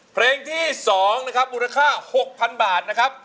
เพลงที่๒นะครับมูลค่า๖๐๐๐บาทนะครับ